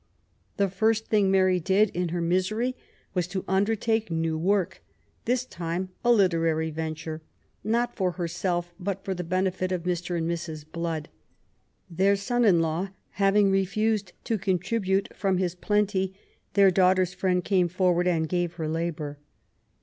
The first thing Mary did in her misery was to undertake new work, this time a literary venture, not for herself, but for the benefit of Mr. and Mrs. Blood. Their son in law having refused to contribute from his plenty, their daughter's friend came forward and gave her labour.